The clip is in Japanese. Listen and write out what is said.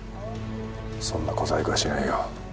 そんな小細工はしないよ。